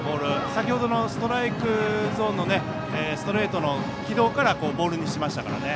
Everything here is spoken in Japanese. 先ほどのストライクゾーンのストレートの軌道からボールにしましたからね。